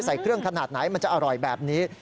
ใส่เครื่องขนาดไหนมันจะอร่อยแบบนี้